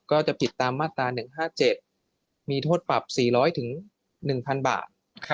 ก็จะผิดตามมาตรา๑๕๗มีโทษปรับ๔๐๐๑๐๐๐บาท